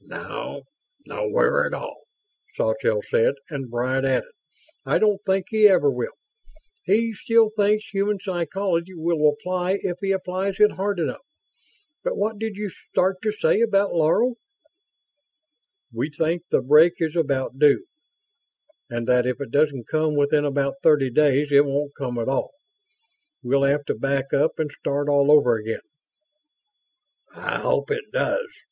"No. Nowhere at all," Sawtelle said, and Bryant added: "I don't think he ever will. He still thinks human psychology will apply if he applies it hard enough. But what did you start to say about Laro?" "We think the break is about due, and that if it doesn't come within about thirty days it won't come at all we'll have to back up and start all over again." "I hope it does.